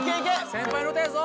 先輩の歌やぞ